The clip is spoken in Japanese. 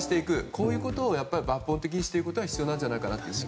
こういうことを抜本的にしていくことが必要だと思います。